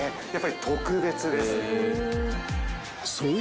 ［そう。